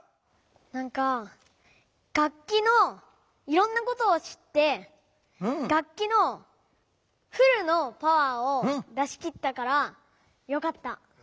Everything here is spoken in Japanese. なんか楽器のいろんなことを知って楽器のフルのパワーを出しきったからよかった。